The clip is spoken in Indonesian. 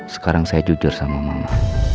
sekarang saya jujur sama mama